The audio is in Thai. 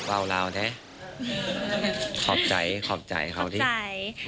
ลาวเนี่ยขอบใจเขาที่